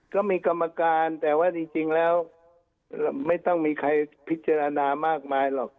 ก็มีกรรมการแต่ว่าจริงแล้วไม่ต้องมีใครพิจารณามากมายหรอก